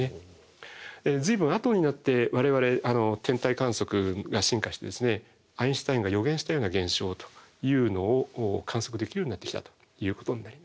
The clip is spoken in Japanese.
随分後になって我々天体観測が進化してアインシュタインが予言したような現象というのを観測できるようになってきたということになります。